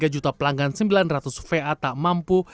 tiga juta pelanggan sembilan ratus va tak mampu